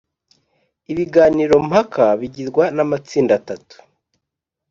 Ibiganiro mpaka bigirwa n’amatsinda atatu